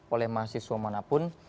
oleh mahasiswa manapun